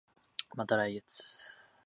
また来月